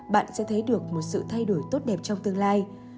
bạn sẽ thấy được một sự thay đổi tốt đẹp trong tương lai